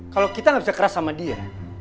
kalo kita ga bisa keras sama dia